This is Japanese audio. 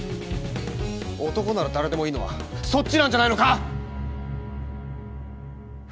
男なら誰でもいいのはそっちなんじゃないのか！